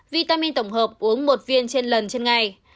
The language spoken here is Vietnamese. vitamin tổng hợp uống một viên trên lần trên ngày